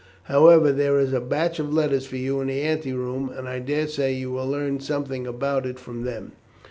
However, there is a batch of letters for you in the ante room, and I daresay you will learn something about it from them."